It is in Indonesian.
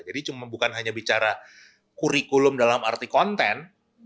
jadi bukan hanya bicara kurikulum dalam arti konten